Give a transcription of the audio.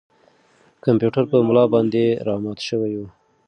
کمپیوټر په ملا باندې را مات شوی و.